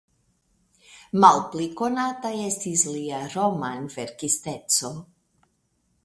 Malpli konata estis lia romanverkisteco.